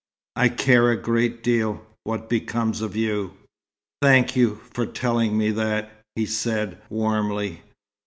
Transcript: "I care a great deal what becomes of you." "Thank you for telling me that," he said, warmly.